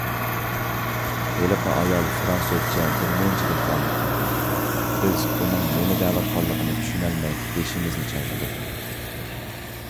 ھېلىقى ئايال فىرانسۇزچە بىرمۇنچە گەپلەرنى قىلدى. بىز ئۇنىڭ نېمە دەۋاتقانلىقىنى چۈشىنەلمەي بېشىمىزنى چايقىدۇق.